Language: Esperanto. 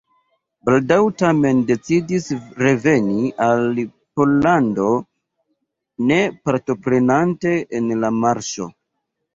Baldaŭ tamen decidis reveni al Pollando ne partoprenante en la marŝo.